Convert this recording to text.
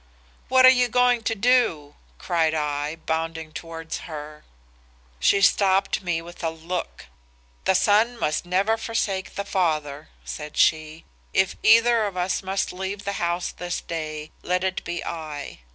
"'What are you going to do?' cried I, bounding towards her. "She stopped me with a look. 'The son must never forsake the father,' said she. 'If either of us must leave the house this day, let it be I.